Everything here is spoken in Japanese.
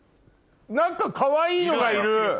何かかわいいのがいる。